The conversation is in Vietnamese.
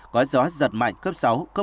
có gió giật mạnh cấp sáu cấp năm